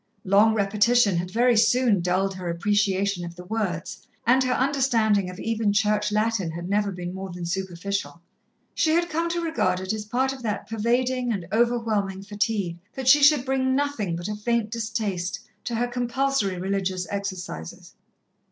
Long repetition had very soon dulled her appreciation of the words, and her understanding of even Church Latin had never been more than superficial. She had come to regard it as part of that pervading and overwhelming fatigue, that she should bring nothing but a faint distaste to her compulsory religious exercises.